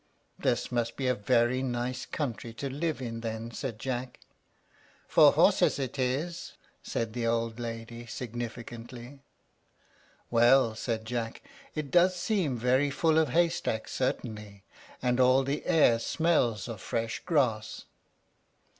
"This must be a very nice country to live in, then," said Jack. "For horses it is," said the old lady, significantly. "Well," said Jack, "it does seem very full of haystacks, certainly, and all the air smells of fresh grass."